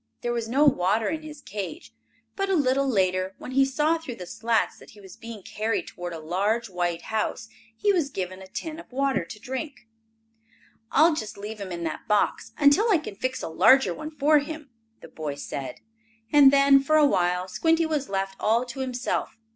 There was no water in his cage, but, a little later, when he saw through the slats, that he was being carried toward a large, white house, he was given a tin of water to drink. "I'll just leave him in that box until I can fix a larger one for him," the boy said, and then, for a while, Squinty was left all to himself.